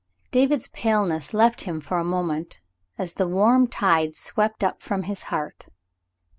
David's paleness left him for a moment, as the warm tide swept upward from his heart.